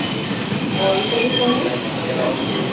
Молан тыге шонет?